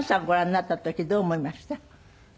ご覧になった時どう思いました？